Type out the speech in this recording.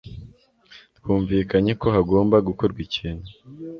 Twumvikanye ko hagomba gukorwa ikintu.